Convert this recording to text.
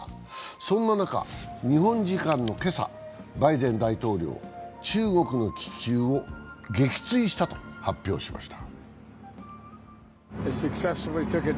そんな中、日本時間の今朝バイデン大統領、中国の気球を撃墜したと発表しました。